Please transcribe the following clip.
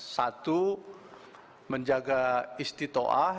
satu menjaga isti to'ah